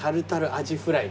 アジフライ。